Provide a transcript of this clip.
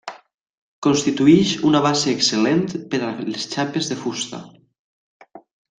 Constitueix una base excel·lent per a les xapes de fusta.